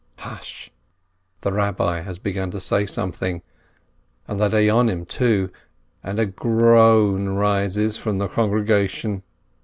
Hush !... the Rabbi has begun to say something, and the Dayonim, too, and a groan rises from the con gregation.